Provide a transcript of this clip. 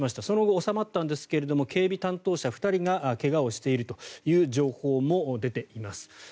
その後、収まったんですが警備担当者２人が怪我をしているという情報も出ています。